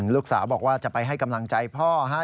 ลูกสาวบอกว่าจะไปให้กำลังใจพ่อฮะ